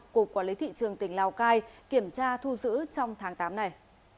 cục quản lý thị trường tỉnh lào cai kiểm tra thu giữ trong tháng tám này